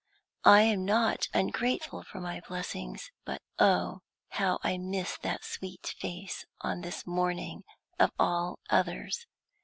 I am not ungrateful for my blessings; but oh, how I miss that sweet face on this morning of all others!